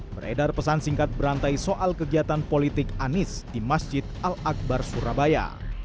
beredar pesan singkat berantai soal kegiatan politik anies di masjid al akbar surabaya